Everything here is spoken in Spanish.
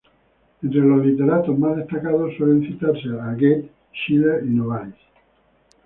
Entre los literatos más destacados suele citarse a Goethe, Schiller, Novalis.